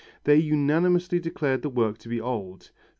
They unanimously declared the work to be old.